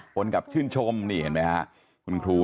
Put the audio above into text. บนกับชื่นชมคุณครูนะครับ